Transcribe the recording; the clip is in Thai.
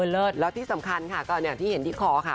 แล้วที่สำคัญค่ะก็เป็นอย่างที่เห็นที่ขอค่ะ